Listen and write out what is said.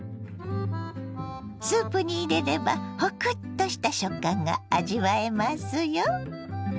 スープに入れればホクッとした食感が味わえますよ。